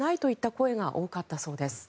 声が多かったそうです。